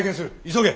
急げ。